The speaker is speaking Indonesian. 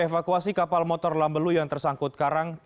evakuasi kapal motor lambelu yang tersangkut karang